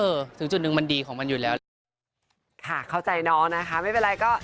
เออถึงจุดหนึ่งมันดีของมันอยู่แล้ว